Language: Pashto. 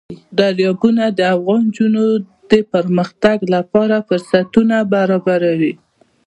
دریابونه د افغان نجونو د پرمختګ لپاره فرصتونه برابروي.